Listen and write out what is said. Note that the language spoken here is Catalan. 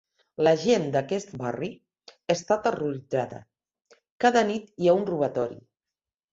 La gent d'aquest barri està terroritzada: cada nit hi ha un robatori.